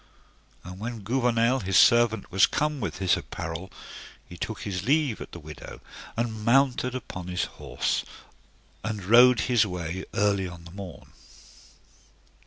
And when Gouvernail, his servant, was come with his apparel, he took his leave at the widow, and mounted upon his horse, and rode his way early on the morn.